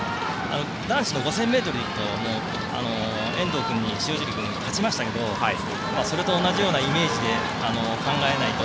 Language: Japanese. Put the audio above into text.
男子の５０００ｍでいうと遠藤君が塩尻君に勝ちましたけどそれと同じようなイメージで考えないと。